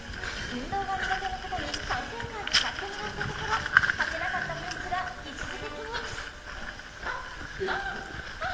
運動が苦手の方に３分間使ってもらったところはけなかったパンツが一時的にあっああ！